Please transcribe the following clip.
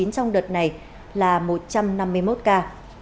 trong đợt này là một trăm năm mươi một ca